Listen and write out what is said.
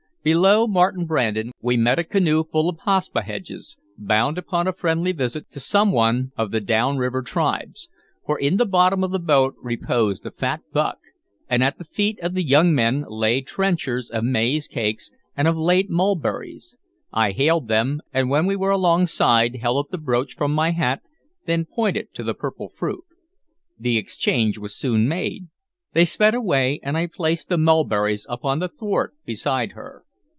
Below Martin Brandon we met a canoe full of Paspaheghs, bound upon a friendly visit to some one of the down river tribes; for in the bottom of the boat reposed a fat buck, and at the feet of the young men lay trenchers of maize cakes and of late mulberries. I hailed them, and when we were alongside held up the brooch from my hat, then pointed to the purple fruit. The exchange was soon made; they sped away, and I placed the mulberries upon the thwart beside her.